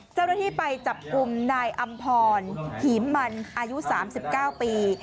เจ้าหน้าที่ไปจับกลุ่มนายอำพรหีมมันอายุ๓๙ปี